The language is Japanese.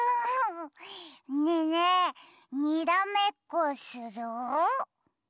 ねえねえにらめっこする？